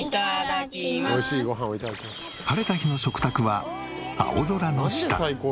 晴れた日の食卓は青空の下。